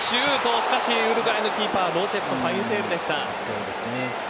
しかしウルグアイのキーパーロチェットのファインセーブでした。